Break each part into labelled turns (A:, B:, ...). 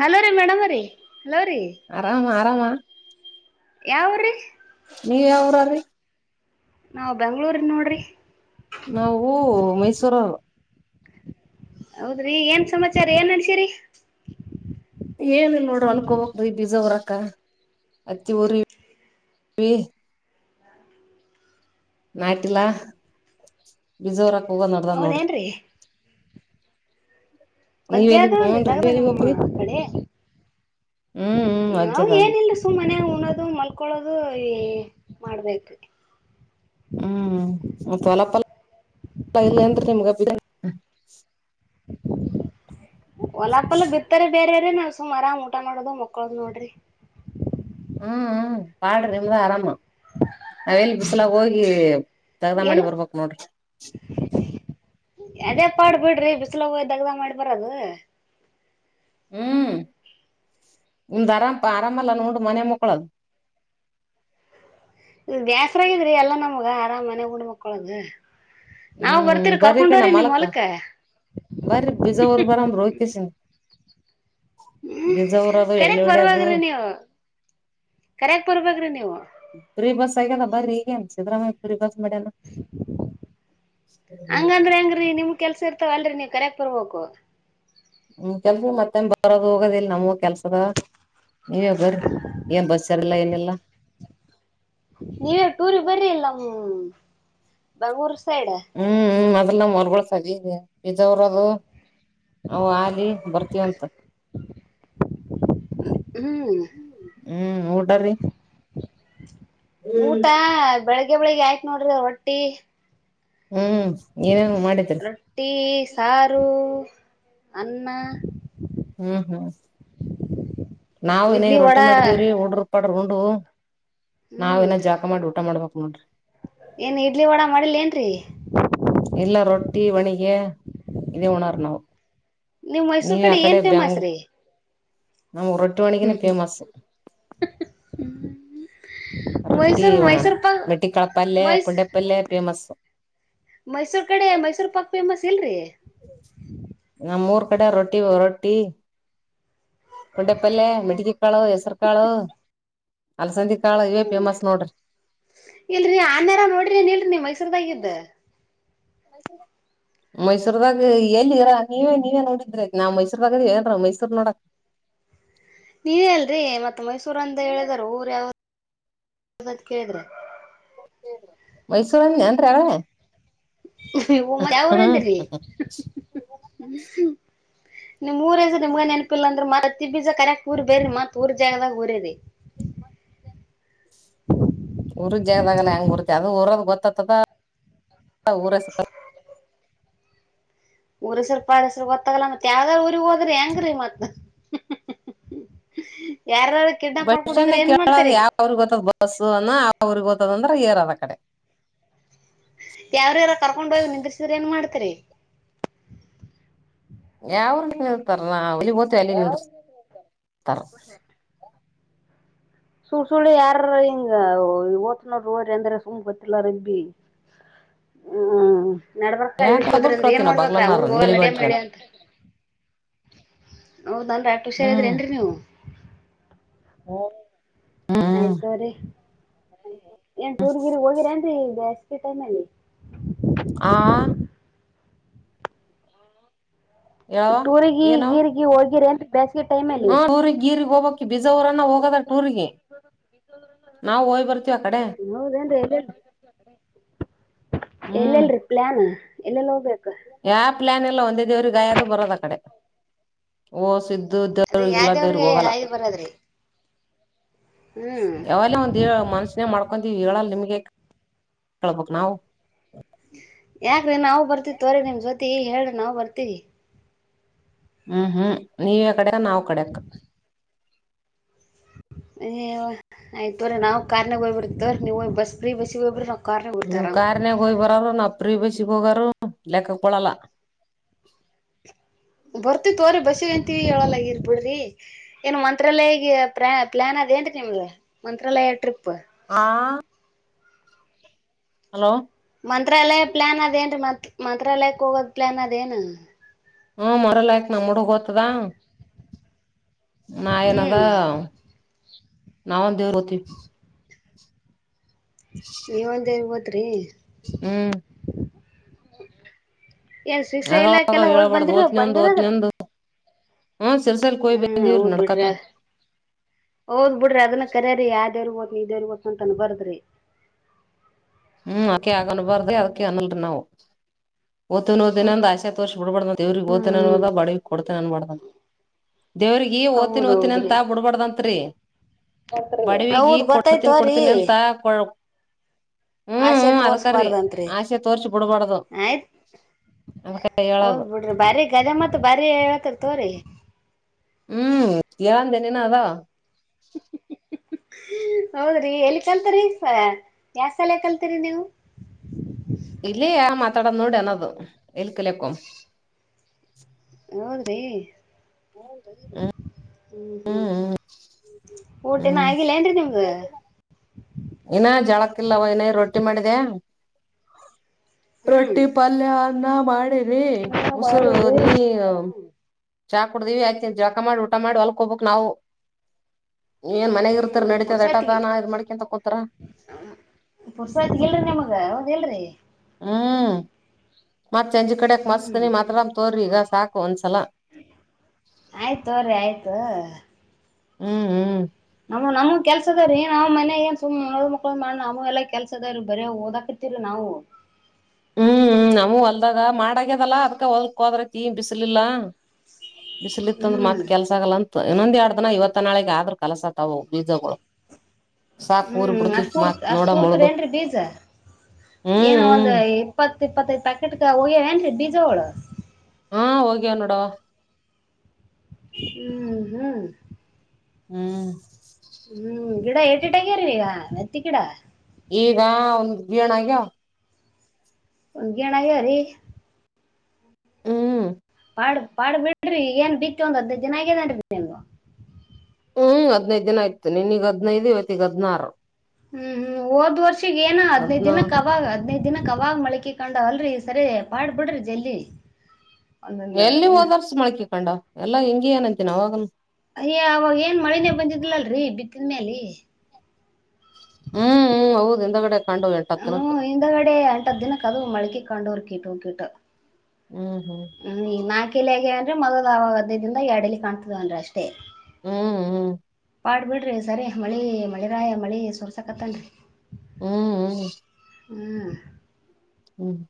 A: hello ರೀ madam ರೀ hello ರೀ
B: ಆರಾಮಾ
A: ಯಾವ್ರೀ
B: ನೀವ ಯಾವ್ರ್ರೀ
A: ನಾವು ಬೆಂಗ್ಳೂರ್ ನೋಡ್ರಿ
B: ನಾವು ಮೈಸೂರು ಸರ
A: ಹೌದ್ರಿ ಏನ್ ಸಮಾಚಾರ ಏನ್ ನಡಸಿರಿ
B: ಏನ್ ನೋಡ್ರ ಅನ್ಕೋಬಕ್್ರ ಈ ಬಜವರ ಕ್ಕ ಹತ್ತಿ ಊರಿ ನಾಟಲಾ ಬಿಜೋರಕ್ ಪೂಗ ನದಾ ನೋಡಿ್ರ
A: ಹೌದೇನ್ರರಿ ಮಜ್ಜ
B: ಎಲ್ಲಿಗ್
A: ಆದ
B: ಹೂನ್ರಿ ನೀವ್
A: ಇದಗದ
B: ಎಲ್ಲಿಗ್ ಹೋಗ್ರಿ
A: ನಿಮ್ಮಮ್ಮ ಕಡೆ
B: ಹ್ಮ್ ಹ್ಮ್
A: ನಾಾವ್
B: ಅಜ್ಜದಾನ
A: ಏನಿಲ್ಲ ಸುಮ್ಮನೆ ಕುೋದು ಮಲ್ಕೊಳೋದು ಮಾಡ್ಬೇಕು
B: ಹ್ಮ್ ಮತ್ ಹೊಲಪಲ್ಲ ಹ್ಮ
A: ಒಲಾಪೊಲ್ಲ ಭತ್ತರೆ ಬೇರೆ ನಾವವು ಸುಮಾರ್ ಊಟ ಮಾಡೋದು ಮಕ್ಕಳದ ನೋಡ್ರಿ
B: ಹ್ಮ್ ಹ್ಮ ಪಾಡ ನಿಮ್್ದಾ ಆರಾಮ ಅವೆಲ್ ಬಿಸಲಾಗ ಹೋಗಿ ತಗ್ದ ಮಾಡಿ
A: ಏನು
B: ಬರ್ಬೇಕಕ್ ನೋಡ್ರಿ
A: ಅದೇ ಪಾಡ್ ಬಿಡ್ರಿ ಬಿಸಿಲು ಹಯ ದಗ್ದ ಮಾಡಿ ಬರದು
B: ಹ್ಮ್ ಒಮ್ದ್ ಅರಾಮ ಆರಾಮಲ್ಲ ನೋ ಮನೆ ಮಕ್ಕಳದು
A: ಇ ದೇಾಸ್ರಾಗಿದ್ರಿ ಎಲ್ಲಾ ನಮ್ಗ ಹ ಮನ ೂಡುಮಕ್ಕಳಗೆ
B: ಹ್ಮ್ ಬರ್ರಿ ಕಣ್ಣ ಮಾಲಕ್ಕ
A: ಹೊಲಕ್ಕ
B: ಬರ ಬೀಜಾವರು ಬರಾಮ ರೋಕಸನ್
A: ಹ್ಮ್
B: ಊರದು ಎಣ್ಣೆ
A: ಕರಕ್
B: ಹೊಡ್ಯದು
A: ಬರ್ವ್ರಿ ನೀವು ಕರಕ್ ಬರ್ಬ್ರಿ ನೀವು
B: ಸಗಲ್ಲ ಬರೀ ಈಗೇನು ಸಿದರಾಮಯುರಿ ಬ ಮೇಡಮ
A: ಹಂಗಂದ್ರ ಹೆಂಗ್ರೀ ನಿಮ್ ಕೆಲ್ಸ ಇರ್ತಾವ ಅಲ್ರಿ ನೀ ಕರಕ್ ಬರ್ಬೇಕು
B: ಹ್ಮ್ ಕೆಲ್ಸ ಮತ್ತನ್ ಬರೋದ ಹೋಗದಿಲ್ ನಮ ಕೆಲ್ಸದ ನೀವೇ ಬರ ಏನ್ ಬಸ್ಸರೆಲ್ಲಾ ಇಲ್ಲಲ್ಲ
A: ನೀವೇ ಟೂರ್ ಬರ್ರಿ ಇಲ್ಲ್ಮ ಬೆಂಗೂರು ಸರ
B: ಲ್ಲ ಮರ್ಗ ಸದ ಇದಜ ಅವರದು ಆಲಿ ಬರ್ತೀವಂತ
A: ಹ್ಮ್
B: ಹ್ಮ್ ಊಟ್ರೀ
A: ಊಟ ಬೆಳಿಗ್ಗೆ ಬೆಳಿಗ್ ಆಯತ ನೋಡ್ರಿ ಹೊಟ್ಟಿ
B: ಏನೇನ್ ಮಾಡಿದ್ರಿ
A: ರೊಟ್ಟಿ ಸಾರು ಅನ್ನ
B: ಹ್ಮ್ ಹ್ಮ್ ನಾವವು
A: ಇಡ್ಲಿ
B: ರೋಟಿ
A: ವಡಾ
B: ಮಾಡಿದೀವ್ರೀ ಹುಡ್್ರರುಪ ಉಂಡ ನಾವ್
A: ಹ್ಮ್
B: ನ್ ಜಾಕ ಮಾಡಿ ಊಟ ಮಾಡ್ಬೇಕ ಒಫನ್
A: ಏನ್ ಇಡ್ಲಿ ವಡಾ ಮಾಡಿಿಲ್ಲ ಏನ್ರರಿ
B: ಇಲ್ಲ ರೊಟ್ಟಿ ಒಣಿಗೆ ಇದೇ ಉಣರ್ ನಾವು
A: ನೀವ್ ಮೈಸೂರ್ ಕಡೆ ಏನ್ ಫೇಮಸ್ ರೀ
B: ನಾಮ್ಮ ಉರಟ್ಟ ಮಣಿಕನ ಫೇಮಸ್ ರೊಟ್ಟಿ
A: ಮೈಸೂರ್
B: ವ
A: ಮೈಸೂರ್ ಪಾಕ್
B: ರೊಟ್ಟಿ ಕಳಪಲ್ಲೇ
A: ಮೈಸ್
B: ಪಂಡೆಪ್ಪಲ್ಲೇ ಬಸ್
A: ಮೈಸೂರ್ ಕಡೆ ಮೈಸೂರ್ ಪಾಕ್ ಫೇಮಸ್ ಇಲ್ರರಿ
B: ನಮ್ಮ್ ಮೂರ್ ಕಡೆ ರೊಟ್ಟಿ ರೊಟ್ಟಿ ಪೊಂಡೆ ಪಲ್ೆ ಮಿಡಿದಕ್ಕಾಳು ಹೆಸರುಕಾಳು
A: ಹ್ಮ ಇಲ್ರಿ ಆನೇಾರ ನೋಡ್ರಿ ನೀನ್ ಇಲ್ರಿ ನೀ ಮೈಸೂರ್ದಾಗಿದ್ದ
B: ಮೈಸೂರುದಾಗ ಎಲ್ಲಿದರಾ ನೀವೇ ನೀವೇ ನೋಡಿದ್ರೆ ನಾವ್ ಮೈಸೂರ್ದಾಗದೀ ಏನ್ರ ಮೈಸೂರ್ ನೋಡ
A: ನೀವ ಅಲ್ರರಿ ಮತ್ತತ್ ಮೈಸೂರ ಅಂತ ಹೇಳಿದಾರ ಊರ ಯಾವ ಕಿದ್ರೆ
B: ಮೈಸೂರ ಾನ್ ರಟ್ರಾವಳೆ
A: ಮ ಅವರುಂತರಿ ನಿಮ್ಊರ ಹೆಸ ನಿಮ್ಗೆ ನೆನಪಿಲ್ಲಂದ್ರ ಮೆ ಬೀಜ ಕರಯಕ್ ಊರ್ ಬೇ್ರ ಮತ್ ಊರ್ ಜಾಗದಾಗ ಊರ ಇದೆ
B: ಉರು ಜದಾಗಲ್ಲ ಹೆಂಗ ಕುತಿ ಅ ಉರ ಗೊತ್ತ ತದ ಹ ಊರಸಪ
A: ಊರಸರು ಪಾರಸರು ಗೊತ್ತಾಗಲ್ಲ ಮತ್ತ ಯಾವ್ದಾರ್ ಊರಿಗ್ ಹೋಗದ್ರಿ ಹೆಂಗ್ರೀ ಮತ್ತ
B: ಬಸ್ ಸ್ಟ್ಯಾಂಡ್ ಕೇಳದ ಯಾವ ಅವ್ರಗ್ ಗೊತ್ತದ್ ಬಸ್ ಅ್ರಿಗೆ ಗೊ ಂದ್ರೆ ಏರ್ ಅದ ಕಡೆ
A: ಯಾವ್ರಾರ ಕರ್ಕೊಂಡ್ ಹೋಗಿ ನಿಿದ್ರಿಸಿದ್ರ ನ್ ಮಾಡ್ತರಿ
B: ಯಾವ್ರೇಳ್ತಾರ ನ ಅಲ್ಲಿ ತ ಅಲ್ಲಿ ನ ತರ
A: ಸುಳ್ ಸುಳ ಯಾರ ಹಿಂಗ ಓತ್ನೋ ೋರಿ ಅಂದ್ರ ಸುಮ್ ಗೊತ್ತಿಲ್ಲ ರಗ್ಬಿ ಹ್ಮ ನಡ್ಬಕ್
B: ಯಾಕ
A: ಇಳ್ಕೋದ್ರ
B: ತಬ್ಬರ್
A: ಅ್ರ ಏನ್
B: ಕೇಳ್ತಿವಿ ನಾವ್
A: ಮಾಡ್ಬೇಕ್ರ
B: ಬಗ್ಲನಾರ
A: ಅವ್ರಗ್ ಹೋಗ
B: ನೀಲಿ ಬಂಟಿ
A: ನಡ್ಯಂಬಳಿ ಅಂತ ಹೌದಲ್ರರಿ ಆಷ್ಟ ಹುಷಾರಿದ್ರರಿ
B: ಹ್ಮ್
A: ಏನ್ರರಿ ನೀವು ಹ್ಮ
B: ಹ್ಮ್
A: ಆಯ್ತೋ್ರೀ ಏನ್ ಟೂರ್ ಗಿರಿ ಹೋಗಿರ ಅಂತ ಹೇಿದೆ ಕಟ ಮಲ್ಲಿ
B: ಹಾ ಹೇಳವ
A: ಟೂರಿಗೆಿ
B: ಏನೋ
A: ಗೀರಿಗೆ ಹೋಗಿರಿ ಅಂತ
B: ಹ ಗರು ಹ ಬಿಜಾವಊರನ್ನ ಹೋಗದ್ರ ಟೂರ್ಗೆ ನಾವವು ಹಯ್ ಬರ್ತೀವಿ ಆ ಕಡೆ
A: ಹೌದೇನ್ರಿ ಎಲ್ಲೆಲ್
B: ಹ್ಮ್
A: ಎಲ್ಲೆಲ್ರಿ ಪ್ಲಾನ್ ಎಲ್ಲೆಲ್ಲಿ ಹೋಗ್ಬೇಕು
B: ಯಾವ ಪ್ಲಯಾನ್ ಇಲ್ಲ ಒಂದೇ ದೇವ್ರ ಗಾಯದು ಬರೋದ ಆ ಕಡೆ ಓ ಸಿದ್ದ ಇದು
A: ಅದೇ
B: ದವಗೆಲ್ಲ ದೇರ್ಗ
A: ಯಾವ್ದೇವ್ರಿಗೆ
B: ಹೋಗಲ್ಲ
A: ಹಾಯ್ ಬರದ್ರಿ ಹ್ಮ್
B: ಯಾವಲ್ಲ ಒಂದ ದೇವ ಮನ್ಸನೇ ಮಾಡ್ಕೊ ಹೇಳ ನಿಮಗೆ ಕೇಳ್ಬಕ್ ನಾವು
A: ಯ ನವು ಬರ್ತಿವ್ರ ನಿ್ ಜೊ ಹೇಳ ನಾವು ಬರ್ತೀವಿ
B: ಹ್ಮ್ ಹ್ಮ್ ನೀವ ಯ ಕಡೆ ನಾವು ಕಡೆಕ್ಕ
A: ಏ ಆಯ್ತ ಬರ ನಾವು ಕಾರ್ನಾಗ ಹಯ್ಬಿರ್ತವಿ ಇ ನೀವು ಬಸ್ ಬ್ರಿ ಬಸ್ ಇಬ್್ರ
B: ನೀವ್ ಕಾರಾರ್ನಾಗ ಹಯ್ ಬರ್ರರು ನಪ್ರಿ ಬ ಇಚ್ಚಿಿಕಗಾರ ಲೆಕ್ಕಕ ಪಡಲ್ಲ
A: ಬರ್ತಿ ತೋ್ರರಿ ಬಸ್ಸಿಗೆ ಅಂತೀವಿ ಹೇಳಲ್ಲಗ ಇರ್ಬಿಡ್ರಿ ಏನು ಮಂತ್ರಾಲಯಗೆ ಪ್ರಾ ಪ್ಲಾನ್ ಅದ ಏನ್ರಿ ನಿಮಗೆ ಮಂತ್ರಾಲಯ ಟ್ರಿಪ್
B: ಹ ಹಲೋ
A: ಮಂತ್ರಾಲಯ ಪ್ಲಾ ಅದೇನ್ ರೀ ಮತ್ ಮಂತ್ರಾಲಯಕ್ಕೆ ಹೋಗೋದ್ ಪ್ಲಯಾನ್ ಅದೇನು
B: ಹಾ ಮರಲ್ಯಕ್ ನ ಮೂಡುಗ ಹೋತದ ನಾಯನದಾ
A: ಹ್ಮ್
B: ನಾವ ದೇವ್ರತಿ
A: ನೀವ ಒಂದ ಗೊತ್ತ ತ್ರ್ರೇ
B: ಹ್ಮ್
A: ಏನ್ ಶಕ್ಷೆ ಇಲ್ಲಾ
B: ಆಗವಾಗ
A: ಕೆಲ್ಲ ಹೋಗಿ
B: ಹೇಳ್ಬಾರ್ದು
A: ಬಂದಿರ
B: ಓತ್ನೊಂದ್
A: ಬಂದಿರದ
B: ಓತ್ನೊಂದು ಹ್ಮ್ ಸಿರ್ಸಲ್ಕ್ ಹೋಗಿ
A: ಹ್ಮ್
B: ಬಂದಿವ್ರಿ
A: ಹೌದ್
B: ನಡ್ಕತ
A: ಬಿಡ್ರಿ ಹೌದ್ ಬಿಡ್ರಿ ಅದನ್ನ ಕರ್ಯರಿ ಯಾವ್ದ್ಯವ್ರ ನೀೇನ್ ಗೊತ್ತಂತಾನ ಬರ್ದ್ರಿ
B: ಹ್ಮ್ ಅದಕ ಆಗ ಅನ್ಬಾರ್ದ ಅದಕ್ಕೆ ಅನ್ಲ್ರಿ ನಾವು ಓ್ಿನ ಓದಿನ ಅಂದ ಆಸ್ಯಾತ್ ವರ್ಷ ಬಿಬಡ್ದ ಇವ್ರಿಗೆ ದ್ನ ಅನ್ ಅ ಬಡಿಗ್ ಕೊಡ್ತೇ ಅನ್ಬಡ್ದ ದೇವ್ರಿಗೆ ಓ್ತಿನ ್ತಿನಿ ಅಂತ
A: ಹೌದೌದ್ರಿ
B: ಬಿಡ್ಬಾರಡ್ದತ್ರಿ ಬಡವಗ
A: ಹೌದ್
B: ಕೊಡ್ತೀನ್ಿ
A: ಗೊತ್ತಾಯ್ತೋರಿ
B: ಕೊಡ್ತೀನಿ ಅಂತ ಕೊ ಹ್ಮ್
A: ಆಸೆ
B: ಹ್ಮ್ ಅದಕರಿ
A: ತೋರ್ಸ್ಬಾರ್ದತ್ರಿ
B: ಆಸೆ ತೋರ್ಸಿ ಬಿಡ್ಬಾರ್ದು
A: ಆಯ್ತ್
B: ಅದಕ ಹೇಳದು
A: ಹದ್ ಬಿಿಡ್ರಿ ಬರಿ ಗದೆ ಮತ್ತ ಮ ಬಾರಿ ಹೇಳಕದ ತೋರಿ
B: ಹ್ಮ್ ಾಂತೆನನದಾ
A: ಹ್ಮ್ ಹೌದ್ರಿ ಎಲ್ಲಿ ಕಲ್ತ್ರಿ ಯಾವ ಸಲ ಕಲ್ತೀರಿ ನೀವು
B: ತಡನ್ನಡನದು ಎಏಲ್ಕಲಕ್ಕ
A: ಹ್ಮ ರೀ
B: ಹ್ಮ
A: ಹ್ಮ್ ಹ್ಮ್ ಊಟಿನ
B: ಹ್ಮ್
A: ಆಗಿಲ್ಲ ಏನ್ರಿ ನಿಮ್ದ
B: ಇನ ಜಳಕ್ ಇಿಲ್ಲವ ಇನ ರೊಟ್ಟಿ ಮಾಡಿದೆ
A: ಹ್ಮ್
B: ರೊಟ್ಟಿ ಪಲ್ಯ ನ ಮಾಡಳೆ ರ ಉಊಸರು ನೀ ಚಾ ಕುಡ್ದಿವವಿ ಆಯ್ತ ಜಾಕಾ ಮಾಡಿ ಊಟ ಮಾಡಿ ಹೊಲ್ಕ್ ಹೋಗಬಕ್ ನಾವು ಏನ್ ಮನೆಗ ಇರ್ತರ್ ನಡಿತತದ ಎಟಕ ನಾ ಇದ್ ಮಡಕಂತ
A: ಪುಸತ್ ಹೇಳರಿಿ ನಿಮಗ ಹೇಳರಿ
B: ಹ್ಮ್ ಮತ್ತತ್ ಅಂಜಿ ಕಡೆಕ್
A: ಹ್ಮ್
B: ಮಸ್ತಿನನಿ ಮಾತ್ರ್ ತೋರರಿ ಈಗ ಸಾಕು ಒಂದ್ಸಲ
A: ಆಯ್ತ ಅವ್ರೀ ಆಯ್ತು
B: ಹ್ಮ್ ಹ್ಮ್
A: ನಮ್ಮ ನಮ ಕೆಲ್ಸದ ರ ನಾ್ ಮನ ಏನ್ ಸುಮ್ ಮಳ ಮಕ್ಳು ಮಾಡ ನವು ಎಲ್ಲಾ ಕೆಲ್ಸದರು ಬರೇ ಓದಾಕರ್ತಿರು ನಾವು
B: ಹ್ಮ್ ಹ್ಮ್ ನಮವು ಹೊಲ್ದಾಗ ಮಾಡಗ್ಯದಲ್ಲಾ ಅದ್ಕ ಹೊಲ್ಕ್ ಹೋದ್ರತಿೀ ಬಿಸಲಿಲ್ಲಾ ಬಿಸಿಲಿತ್ತ ಅಂದ್ರ
A: ಹ್ಮ್
B: ಮತ್ ಕೆಲ್ಸ ಆಗಲ್ಲ ಅಂತ ಇನ್ನೊಂದ್ ಎಡ್ದನ ಇವತ್ತ ನಾಳಗ್ ಆದ್ರರು ಕೆಲಸ ತಾವ ಬೀಜಗಳು ಸಾಕು ಊರ್
A: ಹ್ಮ್
B: ಬಿಡ್ತಿ
A: ಅಷ್ಟೂರ್
B: ಮತ್ ನೋಡ ಮುಳ್ದ
A: ಅಷ್ಟೂರ್ತರಿ ಏನ್ರಿ ಬೀಜ
B: ಹ್ಮ್ ಹ್ಮ್
A: ಇಪ್ಪಪ್ಪತ್ತ ಪ್ಯಾಕೆಟ್ನ್ ಬಿಜೋಳ
B: ಹೋಗನ್ನೋಡಾ
A: ಹ್ಮ್ ಹ್ಮ್
B: ಹ್ಮ್
A: ಹ್ಮ್ ಗಿಡ ಏಟಿಟಾಗ್ಯ್ರಿ ಈಗ ನತ್ತಿಕಡಾ
B: ಈಗ ಒಂದ್ ಬೀಣಾಗ್ಯ
A: ಒಂಗಣ ಅ್ರೀ
B: ಹ್ಮ್
A: ಪಾಡ್ ಪಾಡ್ ಬಿಡ್ರಿ ಏನ್ ಬಿಕ್ಕ ಒಂದು್ ಹರ್ಧ ದಿನ ಆಗ್ಯದನ್ ನಿು
B: ಹ್ಮ್ ಹದ್ನೈದ್ ದಿನ ಆಯ್ತು ನಿನ್ೀಗ್ ಹದ್ೈದು ಇವತ್ತ ಈಗ ಹದ್ನಾರು
A: ಹ್ಮ್ ಹ್ಮ್ ಹದ್ ವರ್ಷಗ ಏನ ಹದ್ೈದ
B: ಹದ್ನಾ
A: ದಿನಕ್ಕಕ್ ಅವಾಗ ಹದ್ೈದ್ ದಿನಕ್ಕ ಅವಾಗ ಮಳಕಿಕೆ ಕಾಣ ಅಲ್ರರಿ ಸರಿ ಮಾಡಾಡ್ಬಿಡ್ರಿ ಜಲ್ಲಿ
B: ಎಲ್ಲಿ ಓದಾರ್ಸ ಮಾಡಕ ಕೊಂಡ ಎಲ್ಲಾ ಹಂಗ ಅನಂತಿನ ಹೋಗ
A: ಅಯ್ಯ ಅವವಾಗ ಏನ್ ಮಳೆನೆೇ ಬಂದಿದ್ದ ಇಗ್ಲಲ್ರರಿ ಬಿತ್ತಿದ ಮೇಲಿ
B: ಹ್ಮ್ ಹ್ಮ ಹೌದು ಎಂದ ಕಡೆ
A: ಹ್ಮ್ ಹಿಂದಗಡೆ ಅಂಟದ್ ದಿನಕ್ಕೆದು ಮಳಿಕ ಕಾೊಂಡುೋ ಕಿಟು ಹ ಕಿಟ ಹ್ಮ್ ಈ ನಾಕಲ ಅಂದ್ರೆ ಮೊದಲ ಆ ಅದದಿಂದ ಎರಡಲ್ಲಿ ಕಾಣ್ತದವ ಅಂದ್ರೆ ಅಷ್ಟೇ
B: ಹ್ಮ್ ಹ್ಮ್
A: ಪಾಡ್ಬ ಬಿಡ್ರರಿ ಸರಿ ಮಳೆ ಮಳೆ ರಾಯ ಮಳಿ ಸೋರ್ಸಕತ್ತೇನ್ೀ
B: ಹ್ಮ್ ಹ್ಮ್
A: ಹ್ಮ್
B: ಹ್ಮ್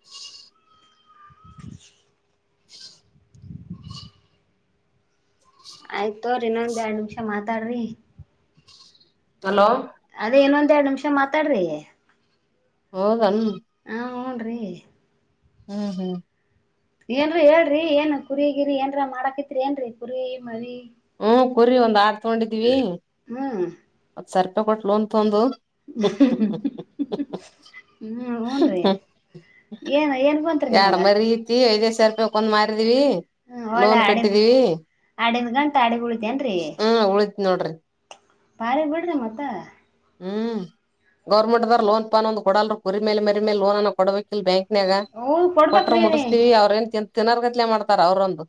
A: ಆಯ್ತೋ್ರರಿ ಇನ್ನೊಂದ್ ಎರಡ್ ನಿಮಿಷ ಮಾತಾಡ್ರಿ
B: ಹಲೋ
A: ಅದ ಇನ್ನೊಂದೆರಡ್ ನಿಮಿಷ ಮಾತಾಡ್ರಿ
B: ಹೌದನ್
A: ಹೋನ್್ರೀ
B: ಹ್ಮ್ ಹ್ಮ್
A: ಏನ್ರು ಹೇಳ್ರಿ ಏನ್ ಕುರಿ ಹರಿ ಏನ್ರ ಮಾಡಕತ್ರಿ ಏನ್ರೀ ಕುರಿ ಮರಿ
B: ಹ್ಮ್ ಕುರ್ರಿ ಒಂದ್ ಆಡ್ ತಗೊಂಡಿದೀವಿ
A: ಹ್ಮ್
B: ಒತ್ಸರ್ ತಕಟ್ಟ ಲೋನ್ ತಂದು
A: ಹ್ಮ ಹನ್ರಿ ಏನ್ ಏನ್ ಬಂತರಿ
B: ಎರಡ್
A: ನಿಮ್ಗ
B: ಮರಿ ಐತಿ ಐದೈದ್ ಸಾವಿರ ರೂಪಾಯಿ ಒಂದ್ ಮಾರಿದೀವಿ
A: ಹ ಒಳ್ಳೆ
B: ಲೋನ್
A: ಅಡ
B: ಕಟ್ಟಿದೀವಿ
A: ಅಡಿನ್ ಗಂಟೆ ಆಡಿಬಳತೇನ್ರೀ
B: ಹ್ಮ್ ಉಳಿತ್ ನೋಡ್ರಿ
A: ಬಾರ ಬಿಡ್ರಿ ಮತ್ತ
B: ಹ್ಮ್ ಗೌರ್ಮೆಂಟ್ ದಾರ ಲೋನ್ ಪನ್ ಒಂದು ಕೊಡಲ್ರು ಕುರಿ ಮೇಲೆ ಮರಿ ಮೇಲೆ ಲೋನನ್ನ ಕೊಬೇಕು ಲ್ ಬ್ಯಾಂಕ್ನಾಗ
A: ಹೂ
B: ಕೊಟ್ರ
A: ಕೊಡ್ಬೇಕ್ರಿ
B: ಮುಡಿಸಸ್ತೀವಿ ಅವ್ರ ಏನ್ ತಿಂತ ತಿಿನರ್ಗಟ್ಲೆ ಮಾಡ್ತಾರ ಅವ್ರೊಂದು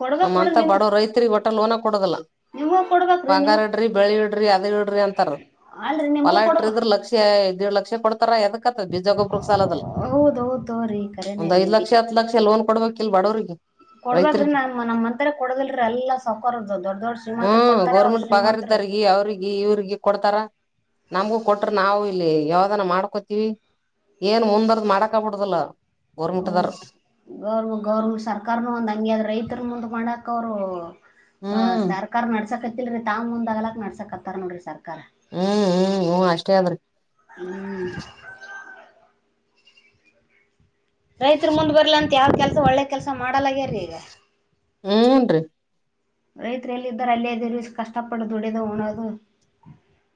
A: ಕೊಡ್ಬೇಕ್ ಬಿಡ್ರಿ
B: ನಮ್ಮಂತ
A: ನಿಮ್
B: ಬಡೋ ರೈತ್ರಿ ಒಟ್ಟ ಲೋನ ಕೊಡುದಲ್ಲ
A: ನಿಮಗೂ ಕೊಡ್ಬೇಕ್ರಿ ನಿಮ್
B: ಬಂಗಾರಡ್ರಿ ಬೆಳಿ ಇಡ್ರಿ ಅದ ಇಡ್ರಿ ಅಂತಾರ
A: ಅಲ್ರಿ
B: ಹೊಲ
A: ನಿಮಗೂ ಕೊಡ್ಬ
B: ಇಟ್ಟ್ರಿದ್ರ ಲಕ್ಷ್ಯ ಆ ಇದು ಲಕ್ಷ್ಯಡ ತರ ಎದಕತ್ತ ಬೀಜಗೊಬ್ರ ಸಾಲದಲ್ಲ
A: ಹೌದ್ ಹೌದ್ ತೋರಿ ಕರೇನೇ
B: ಒಂದ್ ಐದ
A: ರೀ
B: ಲಕ್ಷ ಹತ್ತು ಲಕ್ಷ ಲೋನ್ ಕೊಡ್ಬೇಕು ಲ್ ಬಡೋರಿಗೆ
A: ಕೊಡ್ಬ್ರೀ ನ ನಮ್ ಮಂತ್ರ ಕೊಡದಲ್ರಿೀ ಎಲ್ಲಾ ಸೌಕರ್ದದು ದೊಡ್ ದೊಡ್ ಶ್ರೀಮಂತರ
B: ಹ್ಮ್
A: ಕೊಡ್ತಾರ ಅವ್ರ
B: ಗೌರ್ಮೆಂಟ್ ಪಗಾರ
A: ಶ್ರೀಮಂತ್ರ
B: ಇದ್ದಾರ್ಗಿ ಅವ್ರಿಗಿ ಇವ್ರಿಗಿ ಕೊಡ್ತಾರ ನಮ್ಗೂ ಕೊಟ್ರ ನಾವು ಇಲ್ಲಿ ಯಾವ್ದನ ಮಾಡ್ಕೋತೀವಿ ಏನ್ ಮುಂದರ್ದ ಮಾಡಕ ಆಬಿಡುದಲ್ಲ
A: ಹ ಗೌರ್ ಗೌರ್ಂಟ್ ಸರ್ಕಾರನು ಒಂದ್ ಹಂಗ್ಯದ ರೈತರ ಮುಂದ್ಕಕ್ ಅವ ಹ
B: ಹ್ಮ್
A: ಸರ್ಕಾರ ನಡ್ಸಕ ಇಲ್ರಿ ತಂಗ ಮುಂದ ಆಗಲಕ್ ನಡ್ಸಕಕ್ತ್ತಾರ ನೋಡರಿ ಸರ್
B: ಹ್ಮ್ ಹ್ಮ್ ಹ್ಮ್ ಅಷ್ಟೇ ಅದ್ರಿ
A: ಹ್ಮ್ ರೈತರು ಮುಂದ್ ಬರ್ಲಂತ ಯಾವ್ ಕೆಲ್ಸ ಒಳ್ಳೆ ಕೆಲ್ಸ ಮಾ ಡಲಗ್ಯ್ರೀ ಈಗ
B: ಹೂನ್
A: ರೈತರು ಎಲ್ಲಿದ್ದರ ಅಲ್ಲೇ ದ ಕಷ್ಟಪಟ್ಟು ದುಡದು ಉಣೋದು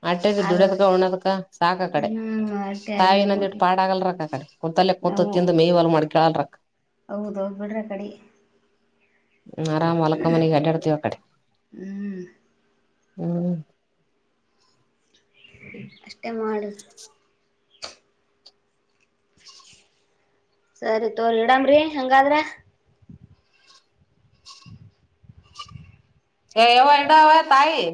B: ಆಟ್ಟದ ದುಡ್ಯದ್ಕ ಉಣ್ಣದಕ ಸಾಕ ಕಡೆ
A: ಹ್ಮ್ ಅಟ್ಟೆ ಆಗ್ಯ
B: ತಾವಿಿನಂದ ಇಿಟ್ಟ
A: ನೋಡಿ
B: ಪಾಡ ಆಗಲ್ರಕ್ಕ ಆ ಕಡೆ ಕುೂತಲೆ ಕುೂಂತು
A: ಅವು
B: ತಿಂದು ಮೇಯ್ವಲ್ ಮಾಡ್ಕೇಳಲ್ರಕ್ಕ
A: ಹೌದೌದ್ ಬಿಡ್ರಿ ಆ ಕಡಿ
B: ್ಮ ಆರಾಮ್ ಒಲಕ ಮನಿ ಗಡ್ಡೆ ಅಡ್ತೀ ಅ ಕಡೆ
A: ಹ್ಮ್
B: ಹ್ಮ್
A: ಅಷ್ಟೇ ಮಾಡಿ ಸರಿ ತೋರಿ ಇಡಾಮ್ರರಿ ಹಂಗಾದ್ರ
B: ಎವ ಡ ಅವ ತಾಯಿ